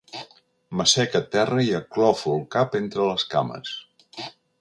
M'assec a terra i aclofo el cap entre les cames.